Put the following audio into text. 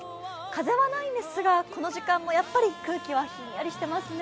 風はないんですが、この時間も空気はひんやりしてますね。